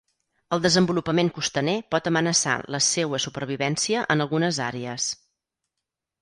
El desenvolupament costaner pot amenaçar la seua supervivència en algunes àrees.